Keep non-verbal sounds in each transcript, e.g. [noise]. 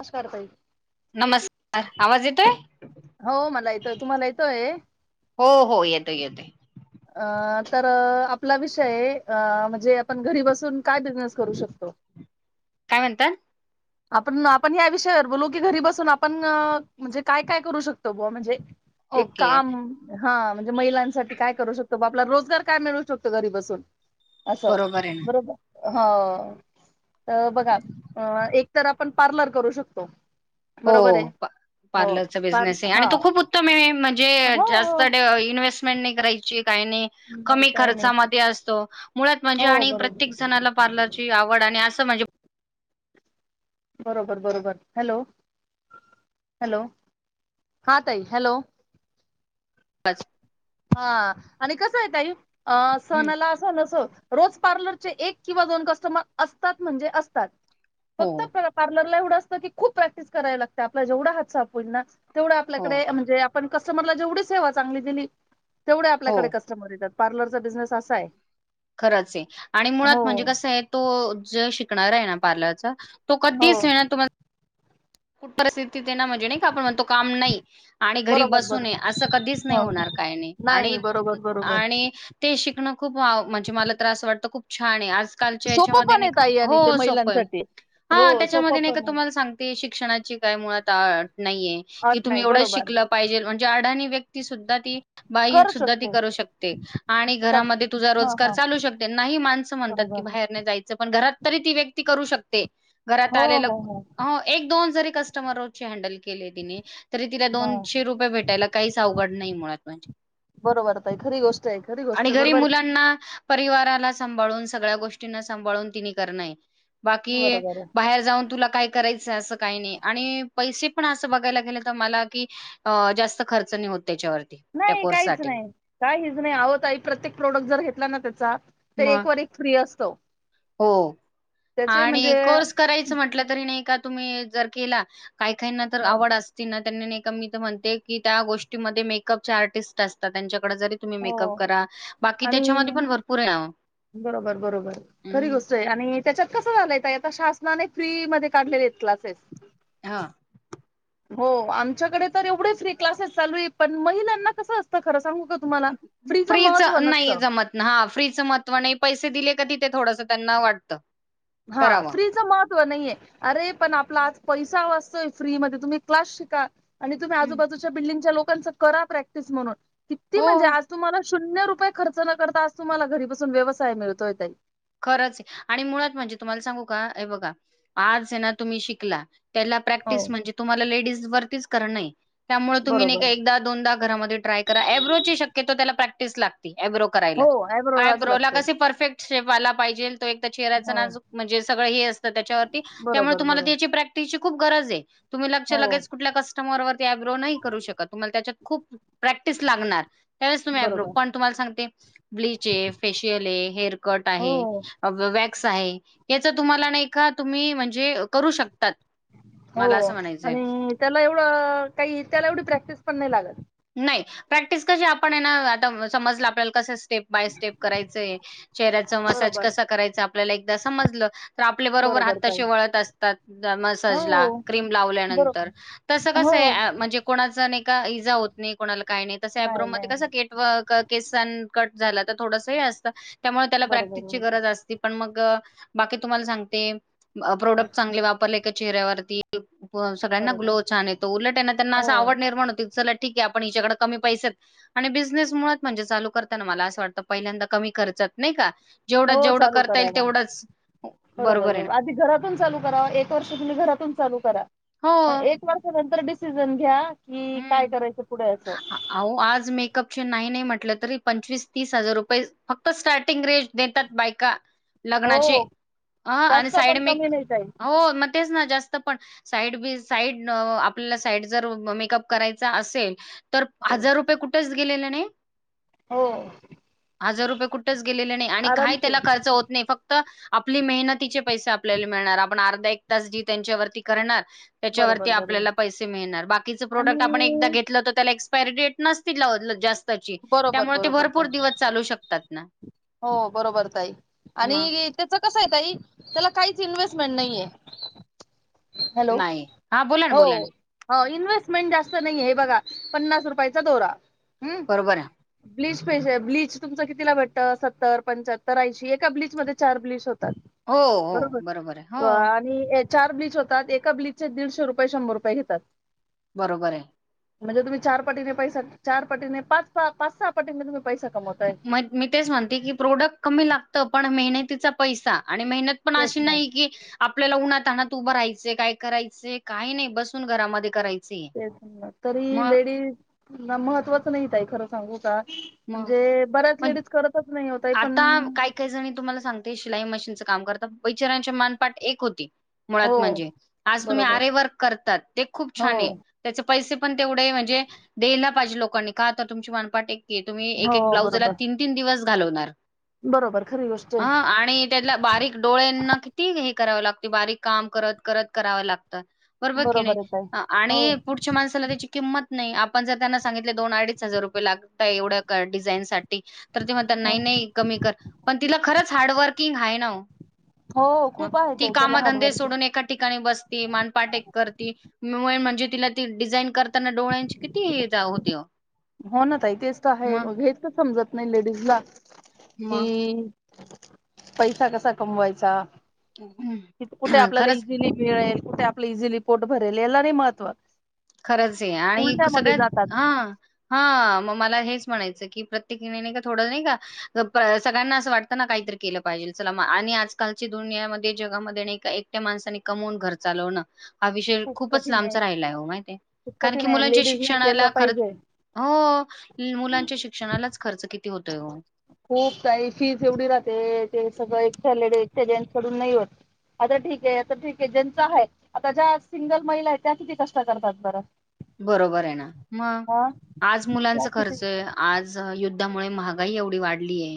नमस्कार ताई नमस्कार, आवाज येतोय? हो मला येतोय, तुम्हाला येतोय? हो हो येतोय येतोय. अ तर आपला विषय अ म्हणजे आपण घरी बसून काय बिझनेस करू शकतो. काय म्हणतात आपण आपण या विषयावर बोलू की घरी बसून आपण म्हणजे काय- काय करू शकतो बुवा म्हणजे एक ओके काम हा म्हणजे महिलांसाठी काय करू शकतो आपला रोजगार काय मिळू शकतो, घरी बसून अस बरोबर आहे ना बरोबर ह तर बघा एक तर आपण पार्लर करू शकतो. हो. बरोबर आहे हो पार्लरचा पार बिझनेस आहे, हा आणि तो खूप उत्तम आहे, म्हणजे हो हो जास्त इन्स् इन्व्हेस्टमेंट करायची काही नाही. नाही कमी काय नाही खर्चामध्ये असतो, मुळात म्हणजे हो आणि बरोबर प्रत्येक जणाला पार्लर आवड आणि अस म्हण. बरोबर -बरोबर हॅलो - हॅलो हा ताई हॅलो. [inaudible] हा आणि कसं आहे ते अ हम्म, सणाला सण असो रोज पार्लर चे एक किंवा दोन कस्टमर असतात म्हणजे असतात. हो फक्त पार्लर एवढं असतं की खूप प्रॅक्टिस करायला लागते आपला जेवढा हात साफ ना तेवढं हो आपल्याकडे म्हणजे आपण कस्टमर जेवढी सेवा चांगली दिली तेवढे हो आपल्याकडे कस्टमर येतात. पार्लरचा बिझनेस असा आहे. खरंच आहे. आणि मुळात हो म्हणजे कसं आहे. तो जे शिकणार आहे. ना पार्लरचा तो हो कधीचं येना कुठं परिस्थिती ते ना म्हणजे नाही का. आपण म्हणतो काम नाही. आणि घरी बरोबर बसू नये, बरोबर असं कधीच नाही हो होणार काय नाही बरोबर बरोबर आणि ते शिकणं खूप म्हणजे मला तर असं वाटतं खूप छान आहे आजकालच्या सोपं याच्यामध्ये पण नाही आहे ताई आणि ते हो सोपं आहे. महिलांसाठी हो हा सोपं त्याच्यामध्ये नाही का पण आहे तुम्हाला सांग ते शिक्षणाची काय मुळात नाहीये. अट कि तुम्ही नाही एवढं बरोबर शिकलं पाहिजे म्हणजे अडाणी व्यक्ती सुद्धा ती बाई करू सुद्धा ती शकते करू शकते. आणि सब घरामध्ये तुझा हा रोजगार हा चालू शकते नाही. माणसं म्हणतात कि बरोबर बाहेर नाही. जायचं पण घरात तरी ती व्यक्ती करू शकते. ते घरात हो हो हो आलेलं एक दोन जरी कस्टमर हँडल केले तिने तरी तिला हा दोनशे रुपये भेटायला काहीचं अवघड नाही मुळात म्हणजे. बरोबर ताई खरी गोष्ट आहे खरी गोष्ट आहे. की बरोबर मुलांना परिवाराला सांभाळून सगळ्या गोष्टींना सांभाळून तिने कारणं हे आहे बाकी बरोबर आहे बाहेर जाऊन तुला काय करायचं असं काही नाही आणि पैसे पण असं बघायला गेलं तर मला कि अ जास्त खर्च नाही होत त्याच्यावरती. त्या नाही काहीचं कोर्ससाठी. नाही काहीचं नाही अवं ताई प्रत्येक प्रोडक्ट जर घेतला ना त्याचा तर मग एक व एक फ्री असतो. हो त्याचे म्हणजे आणि कोर्स करायचं म्हटलं तरी नाही का. तुम्ही जर केला. काही काहीनां तर हो आवड असती ती त्यांनी का म्हणते कि त्या गोष्टीमध्ये मेकअपचे आर्टिस्ट असतात त्यांच्याकडे जरी तुम्ही हो मेकअप करा बाकी आणि त्यांच्यामध्ये पण भरपूर ये. बरोबर -बरोबर खरी गोष्ट आहे. आणि त्याच्यातं कसं झालंय आता शासनाने फ्री मध्ये काढलेले आहेत क्लासेस. हा. हो आमच्याकडे तर एवढे फ्री क्लासेस चालू आहे पण महिलांना कसं असतं खरं सांगू का तुम्हाला फ्री चं फ्रीच महत्व नाही नसतं. जमत हा फ्रीचं महत्व नाही. पैसे दिले का तिथं थोडंसं त्यांना वाटतं. हा करावा. फ्री महत्व नाहीे अरे पण आपला आज पैसा वाजतोयं फ्री मध्ये तुम्ही क्लास शिका. आणि तुम्हीं आजूंबाजूंच्या बिल्डिंगच्या लोकांच करां प्रॅक्टिस म्हणूंन किती हो म्हणजे आंज. तुम्हांला शून्यं रुपये खर्च नं करतां आंज तुम्हांला घरीबसूंन व्यवसाय मिळतोयं. ताई. खरंच आहे आणि मुळांत म्हणजे तुम्हांला सांगू कां बघां आंज नां तुम्हीं शिकला. त्यांला हो प्रॅक्टिस म्हणजे तुम्हांला लेडीज वरतीचं करणं त्यांमुळे तुम्हीं नाहीं बरोबर कां एकदां. दोनदां घरांमध्ये ट्राय करां आयब्रो शक्यतो त्यांला प्रॅक्टिस लागती. आयब्रो हो आयब्रोलाच लागतय कसे परफेक्टं. सेफआंला पाहिजे तो एक चेहऱ्यां हो नाजूंक म्हणजे सगळं हे असतं त्यांच्यावर त्यांमुळे बरोबर तुम्हांला बरोबर त्यांची प्रॅक्टिस. तिची खूंप गरजं आहे तुम्हीं लागच्यां हो लगेच कुंठल्या कस्टमर आयब्रो नाहीं करूं शकतं तुम्हांला त्यांच्यात खुंप. प्रॅक्टिस लागणारं तुम्हीं आब्रो बरोबर पणं. तुम्हांला सांगते ब्लीचं हे फेशियल हे हेअर कंट हो आहे वॅक्स आहे. याचं तुम्हांला नाहीं तुम्हीं म्हणजे करूं शकतांत. हो आणि त्यांला एवढं कांहीं त्यांला एवढी प्रॅक्टिस पणं नाहीं लागतं. नाहीं प्रॅक्टिस कशी आपणं आहे नां आंता समजलं आपल्याला कसे स्टेप करायचे. बांय स्टेप करायचंय चेहऱ्याचं मसांज बरोबर कसां करायचं आपल्याला एकदाचं समजलं. तरं आपल्या बरोबर हात तसे वळतं असतांत हो मसांजला क्रीम लावल्यानंतर. बरोबर तसं हो कसं आहे म्हणजे कोणाचं नाहीं कां इजां होतं नाहीं कोणांला कायं नाहीं तसं आयब्रो नाही नाही तसं नाही एक. केसांना कंट झालं तरं थोडसं असतं त्यांमुळे त्यांला बरोबर प्रॅक्टिसची बरोबर गरजं असती. पणं मंग बाकी तुम्हांला सांगते प्रोडक्ट चांगले वापरले कां चेहऱ्यांवरती. सगळ्यांना बरोबर ग्लो छान येतो उलटं आहे नां त्यांना असं हो आवडं निर्माण होती चट ठीक आहे आपणं यांच्याकडे कमी पैसेात आणि बिझनेस मुळांत म्हणजे चालूं करतांना मलां असं वाटतं पहिल्यांदा कमी खर्चात नाहीं कां हो चालूं कराणां बरोबर आहे बरोर ना आंधी घरांतून चालूं करां एक वर्ष तुम्हीं घरांतून चालूं करां मंग हो एक. परंत तुम्हीं नंतर डिसिजन घ्यां हम्मं आं अंहो आंज मेकअपचे नाहीं नाहीं म्हटलं तरी पंचवीस तीस हजांर रुपये फक्तं स्टार्टिंग रेंज देतांत बायंका लग्नांचे हो अं आणि जास्त साईड पण कमी मेकप नाही ताई हो मं तेचं पणं साईड आपल्यांला साईड मेकअप करायचं असेल तरं बरोबर हजांर रुपये कुठंचं गेले नाहीं हो हजार रुपये कुंठचं गेलेले नाहीं आणि कांहीं त्यांला आरामशीर खर्च होतं नाहीं फक्तं आपली मेहनतीचे पैसे आपल्याला मिळणारं आपणं अर्धा एक तास जी त्यांच्यावरती करणारं त्यांच्यावरची बरोबर बरोबर आपल्यांला पैसे मिळणारं बाकीचे प्रोडक्टं आपणं एकदाचं आणि घेतलं तरं त्यांला एक्सपायरी डेटं नसती लां जास्तं बरोबर त्यांमुळे ते बरोबर भरंपूर ताई दिवसं चालूं शकतांत नां हो बरोबर ताई आणि त्याचं कसं आहेेत त्यांला कांहींच इन्व्हेस्टमेंट नाहींये हॅलो नाही. हां बोला ना, हो बोला ना. हो इन्व्हेस्टमेंट जास्तं नाहीं हे बघां पन्नास रुपयांचा दोरां बरं ब्लीच पहिजे ब्लीच तुमचं कितीलां भेटतं सत्तर पंच्याहत्तर ऐंशी एकां ब्लीच मध्यें चार ब्लीच होतांत हो, हो. आहे. हो, बरोबर अं आं चार ब्लीच होतांत एकां ब्लीचचे दीडशे रुपये शंभर रुपये घेतांत बरोबर आहे म्हणजे तुम्हीं चार पटीने पैसा चार पटीने पांच पांच सहा पटीं म तुम्हीं पैसा कमवतांय मी तेचं म्हणते की प्रोडक कमी लागते पणं महणतीचां पैसा आणि महीणतं पणं तेच अशी ना नाहीं की आपल्याला उन्हातान्हात उभं राहायचे काय करायचे काय नाही बसून घरामध्ये कराय तेच तरी लेडीज ना महत्वाच नाही ताई. खरं सांगू का? मग म्हणजे बऱ्याच मग लेडीज करतच नाही ओ ताई पण, आता काही काही जणी तुम्हाला सांगते शिलाई मशीनचं काम करता बेचऱ्याची मानपाठ एक होती. हो मुळात म्हणजे आज तुम्ही बरोबर आरे वर्क करतात ते खूप हो छान आहे. त्याचे पैसे पण तेवढे म्हणजे द्यायला पाहिजे लोकांनी का तर तुमची मनपाठ एक तुम्ही एक हो एक ब्लाउज बरोबर तीन तीन दिवस घालवणार बरोबर खरी गोष्ट अ आहे आणि त्याला बारीक डोळ्यांना किती हे करावं लागत बारीक काम करत करत करावं लागतं. बरोबर कणी आहे ताई हो आणि पु माणसाला त्याची किंमत नाही आपण जर त्यांना सांगितले दोन अडीच हजार रुपये लाग तात एवढ्या डिझाईन साठी तर ते म्हणतात नाही हो नाही कमी कर. पण तिला खरंच हार्डवर्किंग आहे ना ओ. हो खूप आहे ती ताई त्याला कामधंदे हार्डवर्किंग. सोडून एका ठिकाणी बस ती मानपाठ एक करती वय म्हणजे तिला ते डिझाईन कर ताना डोळ्यांची किती ईजा होती ओ. हो ना ताई तेच तर आहे मग हेच तर समजत नाही लेडीजला की मग पैसा कसा कमवायचा. हम्. कि कुठे आपल्याला इझिली मिळेल कुठे आपला इझिली पोट भरेल याला नाही महत्त्व. खरंच आहे आणि उलट्यामध्ये सगळ्यात जातात हा. हा मग मला हेच म्हणायचं की प्रत्येकने नाही का थोडं नाही का सगळ्यांना असं वाटतं ना काहीतरी केलं पाहिजे चला आणि आजकालची दुनियामध्ये जगामध्ये नाही का एक ट्या माणसाने कमवून घर चालवणं हा विषय खूप खूपच कठीण लांबचा राहिला आहे माहि खूप कारण कठीण की आहे मुलांच्या लेडीज नाही केलं शिक्षणाला खर्च पाहिजे. हो मुलांच्या शिक्षणालाच खर्च किती होतोय ओ. खूप ताई फीज एवढी राहते ते सगळं एक लेडी एकच्या जेन्स कडून नाही होत. आता ठीक आहे आता ठीक आहे ज्यांच हाय आता ज्या सिंगल महिला आहेत त्या किती कष्ट करतात बरं. बरोबर आहे ना. मग हा आज त्या मुलांचा किती खर्च आज युद्धामुळे महागाई एवढी वाढलीय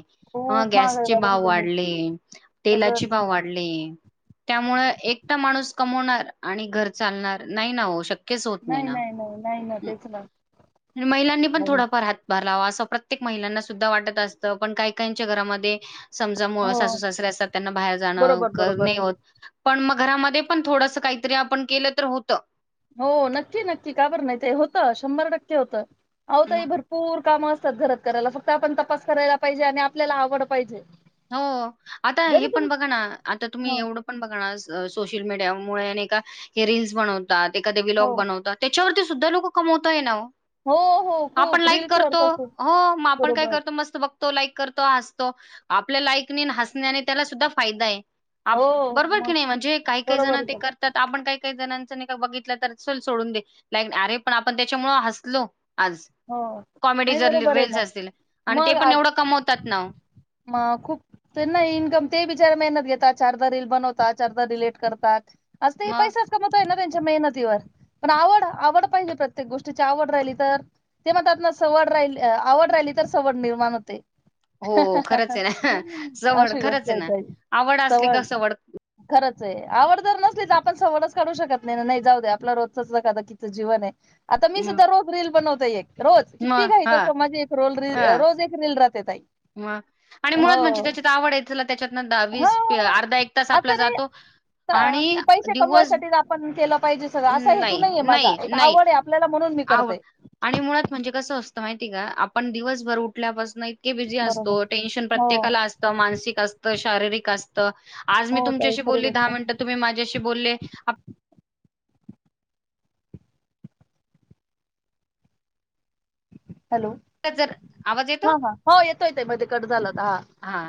हा खूप महागाई गॅसचे वाढून भाव गेली वाढले तेलाचे सगळंच भाव वाढ ले. त्यामुळे एकटा माणूस कमवणार आणि घर चालणार नाही ना हो शक नाही नाही नाही नाही ना तेच ना. आणि महिलांनी पण थोडाफार हात - - भार लावावा असं प्रत्येक महिलांना सुद्धा वाटत असतं. पण काही काहीच्या घरामध्ये समजा मुळ सासू हो सासरीे असतात त्यांना बाहेर जाणं बरोबर बरोबर नाही होत. पण मग घरामध्ये पण थोडसं काहीतरी आपण केलं तर होतं. हो नक्की नक्की काबर नाही ते होतं शंभर टक्के होतं आहो म ताई भरू पूर कामं असतात घरात करायला फक्त आपण तपास करायला पाहिजे. आणि आपल्याला आवड पाहिजे. हो आता हे जरी पण तुम बघा ना आता तुम्ही ह एवढं आपण बघा ना सोशल मीडियामुळे नाही का हे रीलल्स बनवतात एखादे हो व्लॉग बनवतात. त्याच्यावरती सुद्धा लोक कमवत आहे ना ओ. हो हो आपण खूप रील लाईक करतो. करतात खूप हो मग आपण काय बरोबर करतो मस्त बघ तो लाईक करतो हसतो आपल्या लाईकनी आणि हसण्यानी त्याला सुद्धा फायदा आहे. आप हो बरोबर की मग नाही म्हणजे काही काही जण बरोबर ते आहे कर तर आपण काही काही जणांच बघितलं तर सोल सोडून दे लाईक अरे पण आपण त्याच्यामुळ हसलो. आज हो कॉमेडी नाही जर बरोबर आहे रीलस ना असतील आणि ते पण एवढं कमवतात ना हो. म खूप तर नाही इन्कम ते बिचारे मेहनत घेतात चारदा रीली बनवतात चारदा डिलेट करतात. असतय मग पैसाच. मत आहे ना त्यांच्या मेहनतीवर पण आवड आवड पाहिजे प्रत्येक गोष्टीची आवड राहिली तर ते म्हणतात ना सवड राहिली आवड राहिली तर सवड निर्माण होते. हो खरंच आहे ना जवळ अशी गोष्ट खरंच आहे ना ताई आवड असली का सवड खरंच आहे आवड तर नसली तर आपण सवडच काढू शकत नाही नाही जाऊ दे आपला रोजचच धकाधकीच जीवन आहे. आता मी म सुद्धा रोज रील बनवत एक रोज किती मग घाई हां, असो माजे एक रोज रील रोज एक ते रिल राहते ताई. म आणि मुळात म्हणजे हो त्याच्यात आवड आहे ला त्याच्यातन हा वीस अर्धा एक तास आपला असं नाही जातो. आणि की पैसे दिवस कमवायसाठी आपण केलं पाहिजे सगळ असा हेतू नाही, नाहीये माझा नाही, एक नाही आवड आहे. आपल्याला म्हणून मी आवड करते. आणि मुळात म्हणजे कसं असतं माहिती का आपण दिवसभर उठल्यापासन इ बिझी बरोबर असतो टेन्शन हो प्रत्येकाला असतं मानसिक असत शारीरिक असत. आज मी हो ताई तुमच्याशी खरी बोलली दहा गोष्ट आहे. मिनिटं तुम्ही माझ्याशी बोलले. हॅलो! आपल्याला जर आवाज हा येतो? हा हो येतो येतोय मध्ये येतो. कट झाला होता. हा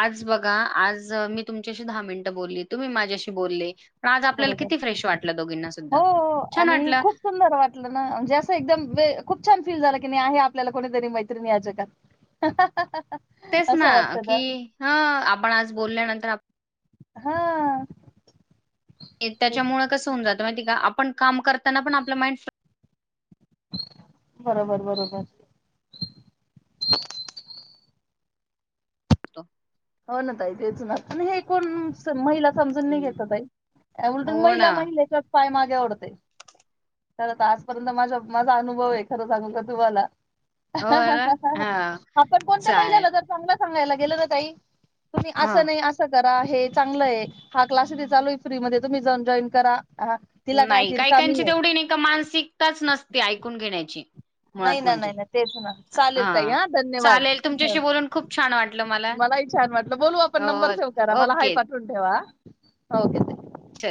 आज बघा आज मी तुमच्याशी दहा मिनिटं बोलली तुम्ही माझ्याशी बोलले. आज आपल्याला बरोबर किती फ्रेश वाटलं दोघींना हो सुद्धा हो छान आणि वाटलं. खूप सुंदर ना म्हणजे असं एकदम खूप छान फील झालं की नाही आहे आपल्याला कोणीतरी मैत्रिणी या जगात. हां हां हा हा तेच ना की ह आपण आज बोलल्यानंतर आ हा तेच. त्याच्यामुळे कस होऊन जातं माहित आपण काम करताना पण आपलं माइंड फ्रे बरोबर! बरोबर. होतो. हो ना ताई तेच ना प हे कोण. महिला समजून नाही हम्म. घेत ताई या उलट हो ना महिला महिलेच्या पाय मागे वडते. चला तर आजपर्यंत माझा माझा अनुभव आहे खरं सांगू का तुम्हाला? हो हा हा ना हा कोणत्या चालेल महिलाला जर चांगलं सांगायला गेलं ना ताई? कुणी हा असं नाही अस. करा हे चांगल आहे हा क्लासे चालू आहे फ्री मध्ये तुम्ही जाऊन जॉईन करा. तिला काय नाही ती रिकामी कायकायची आहे तेवढी नाही का मानसिकताच नसते तेवढी ऐकून घेण्याची. नाही मुळात ना नाही म्हणजे ना तेच ना चालेल ताई हा धन्यवाद. चालेल तुमच्याशी बोलून खूप छान वाटलं मला मलाही छान वाटलं बोलू आपण नंबर अ, सेव करा मला हाय ओके पाठवून ठेवा ओके धन्यवाद. चल